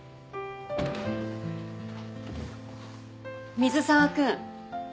水沢君。